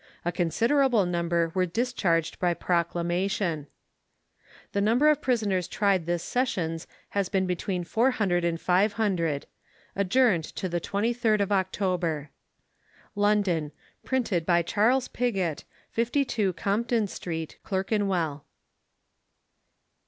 A considerable number were discharged by proclamation. The number of prisoners tried this Sessions has been between 400 and 500. Adjourned to the 23rd of October. London: Printed by Charles Pigott, 52, Compton Street, Clerkenwell.